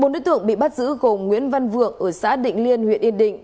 bốn đối tượng bị bắt giữ gồm nguyễn văn vượng ở xã định liên huyện yên định